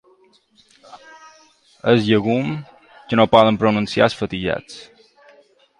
El llegum que no poden pronunciar els fatigats.